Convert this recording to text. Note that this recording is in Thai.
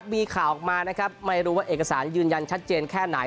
มีข่าวออกมานะครับไม่รู้ว่าเอกสารยืนยันชัดเจนแค่ไหน